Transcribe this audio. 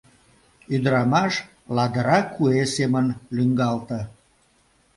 Ӱдырамаш ладыра куэ семын лӱҥгалте.